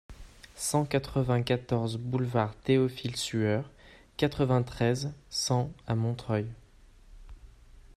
cent quatre-vingt-quatorze boulevard Théophile Sueur, quatre-vingt-treize, cent à Montreuil